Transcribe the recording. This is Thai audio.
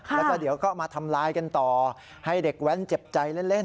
แล้วก็เดี๋ยวก็มาทำลายกันต่อให้เด็กแว้นเจ็บใจเล่น